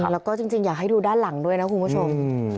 แล้วก็จริงอยากให้ดูด้านหลังด้วยนะคุณผู้ชม